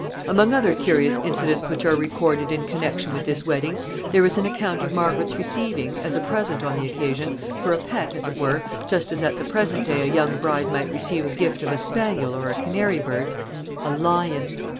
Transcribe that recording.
] Among other curious incidents which are recorded in connection with this wedding, there is an account of Margaret's receiving, as a present on the occasion for a pet, as it were, just as at the present day a young bride might receive a gift of a spaniel or a canary bird a lion.